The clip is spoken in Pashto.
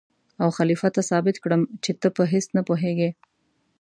او خلیفه ته ثابت کړم چې ته په هېڅ نه پوهېږې.